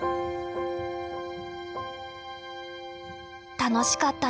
楽しかったなあ。